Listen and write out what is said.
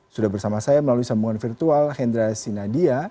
sudah bersama saya melalui sambungan virtual hendra sinadia